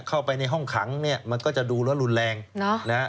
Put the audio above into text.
เข้าไปในห้องขังเนี่ยมันก็จะดูแล้วรุนแรงเนอะนะฮะ